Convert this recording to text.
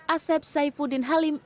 asep saifuddin halim